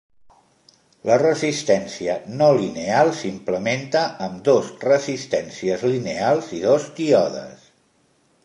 La resistència no lineal s'implementa amb dos resistències lineals i dos díodes.